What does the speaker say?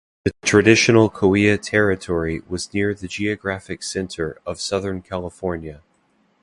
The traditional Cahuilla territory was near the geographic center of Southern California.